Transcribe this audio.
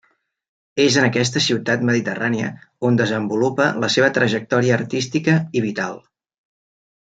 És en aquesta ciutat mediterrània on desenvolupa la seva trajectòria artística i vital.